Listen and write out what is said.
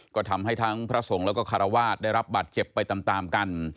ก็ทำให้ทั้งพระสงฆ์แล้วก็คารวาสได้รับบาดเจ็บไปตามกัน